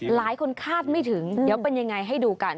คาดไม่ถึงเดี๋ยวเป็นยังไงให้ดูกัน